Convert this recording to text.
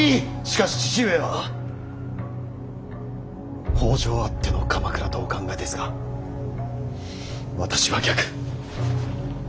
しかし父上は北条あっての鎌倉とお考えですが私は逆。